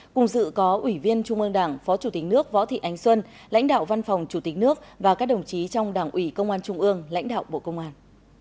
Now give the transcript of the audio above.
cùng dự có ủy viên trung ương đảng phó chủ tịch nước võ thị ánh xuân lãnh đạo văn phòng chủ tịch nước và các đồng chí trong đảng ủy công an trung ương lãnh đạo bộ công an